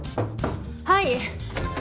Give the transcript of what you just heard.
はい。